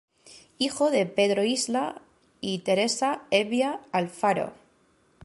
Hijo de Pedro Isla y Teresa Hevia Alfaro.